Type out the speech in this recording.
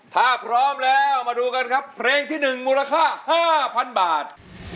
ถ้าพร้อมแล้วมาดูกันครับเพลงที่๑มูลค่า๕๐๐๐บาท